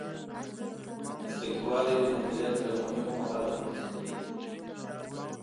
مسلکي والی د مدیریت له مهمو مهارتونو څخه دی.